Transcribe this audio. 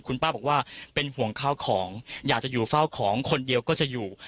คุณป้าบอกว่าเป็นห่วงข้าวของอยากจะอยู่เฝ้าของคนเดียวก็จะอยู่